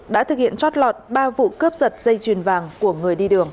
đã thực hiện trót lọt ba vụ cướp giật dây chuyền vàng của người đi đường